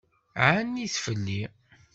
Ɛennit fell-i.